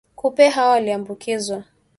kupe hao walioambukizwa